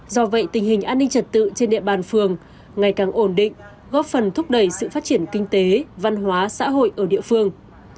do vậy tình hình an ninh trật tự trên địa bàn phường ngày càng ổn định góp phần thúc đẩy sự phát triển kinh tế văn hóa xã hội ở địa phương